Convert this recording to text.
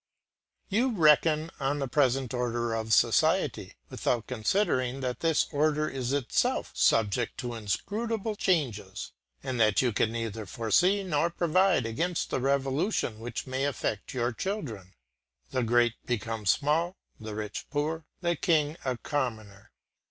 You reckon on the present order of society, without considering that this order is itself subject to inscrutable changes, and that you can neither foresee nor provide against the revolution which may affect your children. The great become small, the rich poor, the king a commoner.